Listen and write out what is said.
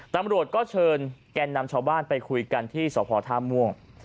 ตำรวจก็เชิญแก่นนำชาวบ้านไปคุยกันที่สพท่าม่วง